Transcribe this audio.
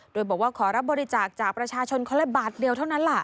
โดยบอกว่าขอรับบริจาคจากประชาชนคนละบาทเดียวเท่านั้นล่ะ